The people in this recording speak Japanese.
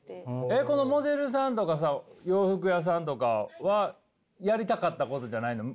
えっこのモデルさんとかさ洋服屋さんとかはやりたかったことじゃないの？